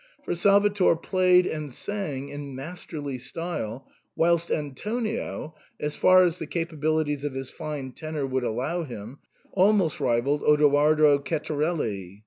For Salvator played and sang in masterly style, whilst Antonio, as far as the capabilities of his fine tenor would allow him, almost rivalled Odo ardo Ceccarelli.